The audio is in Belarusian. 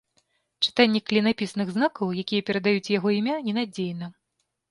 Чытанне клінапісных знакаў, якія перадаюць яго імя, ненадзейна.